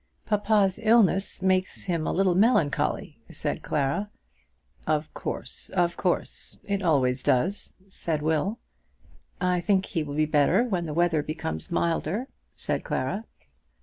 "Papa's illness makes him a little melancholy," said Clara. "Of course, of course. It always does," said Will. "I think he will be better when the weather becomes milder," said Clara.